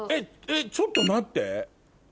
ちょっと待って。